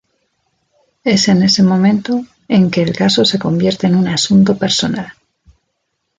Es en ese momento en que el caso se convierte en un asunto personal.